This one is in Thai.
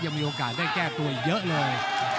ยังมีโอกาสได้แก้ตัวเยอะเลย